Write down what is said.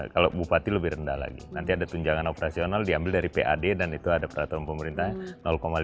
kalau bupati lebih rendah lagi nanti ada tunjangan operasional diambil dari pad dan itu ada peraturan pemerintahnya